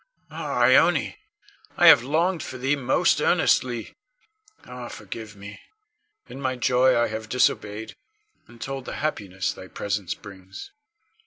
Ah, Ione, I have longed for thee most earnestly. Ah, forgive me! In my joy I have disobeyed, and told the happiness thy presence brings.